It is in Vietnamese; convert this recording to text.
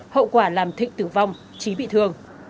hậu quả làm thịnh tử vong trí bị thương